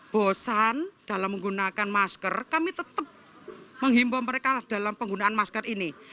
bosan dalam menggunakan masker kami tetap menghimbau mereka dalam penggunaan masker ini